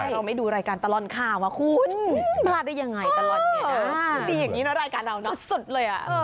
เราไม่ดูรายการตล